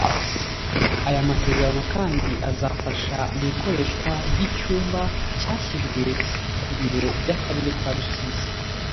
Aya masezerano kandi azafasha mu ikoreshwa ry’icyumba cyashyizwe ku biro by’Akarere ka Rusizi